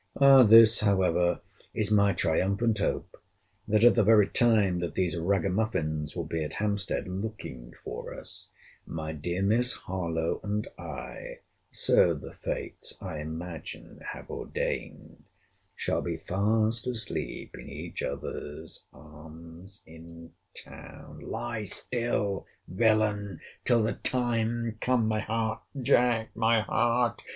This, however, is my triumphant hope, that at the very time that these ragamuffins will be at Hampstead (looking for us) my dear Miss Harlowe and I [so the Fates I imagine have ordained] shall be fast asleep in each other's arms in town.—Lie still, villain, till the time comes.—My heart, Jack! my heart!